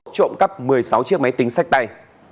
trộm cắp một mươi sáu chiếc máy tính sách tay